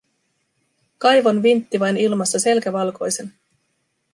Kaivonvintti vain ilmassa selkä valkoisena.